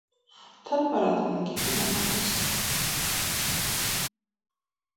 تل په راتلونکي هیله مند اوسئ.